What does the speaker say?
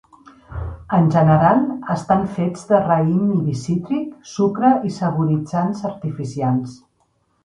En general, estan fets de raïm i vi cítric, sucre i saboritzants artificials.